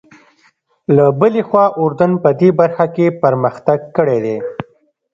له بلې خوا اردن په دې برخه کې پرمختګ کړی دی.